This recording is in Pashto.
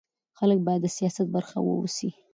خلک باید د سیاست برخه واوسي